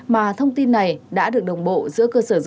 mà thông tin này đã được đồng bộ giữa cơ sở dữ liệu quốc gia